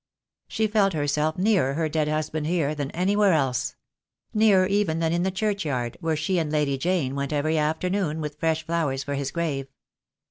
She felt herself nearer her dead husband here than anywhere else; nearer even than in the churchyard, where she and Lady Jane went every afternoon with fresh flowers for his grave.